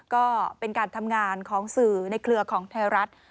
ก็เป็นการทำงานของสื่อในเครือของไทยรัฐ